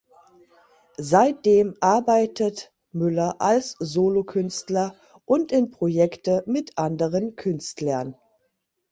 Seitdem arbeitet Müller als Solokünstler und in Projekte mit anderen Künstlern.